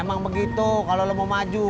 emang begitu kalau lo mau maju